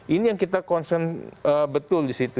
ini yang kita concern betul disitu